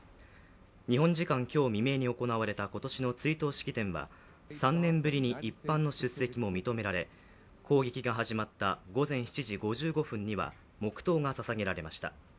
日本時間今日未明に行われた今年の追悼式典では３年ぶりに一般の出席も認められ攻撃が始まった午前７時５５分には黙とうがささげられました。